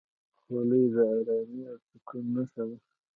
خولۍ د ارامۍ او سکون نښه ده.